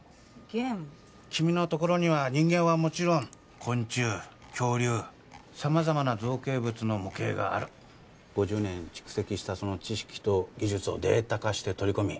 ゲーム⁉君のところには人間はもちろん昆虫恐竜様々な造形物の模型がある５０年蓄積したその知識と技術をデータ化して取り込み